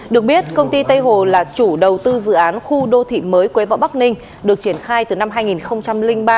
được biết công ty tây hồ là chủ đầu tư dự án khu đô thị mới quế võ bắc ninh được triển khai từ năm hai nghìn ba